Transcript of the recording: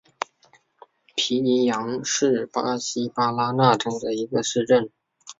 皮尼扬是巴西巴拉那州的一个市镇。